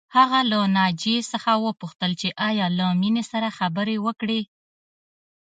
هغه له ناجیې څخه وپوښتل چې ایا له مينې سره خبرې وکړې